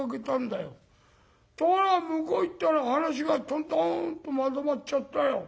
ところが向こう行ったら話がとんとんとまとまっちゃったよ。